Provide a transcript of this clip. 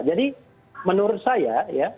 jadi menurut saya